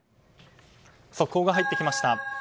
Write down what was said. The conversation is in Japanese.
速報が入ってきました。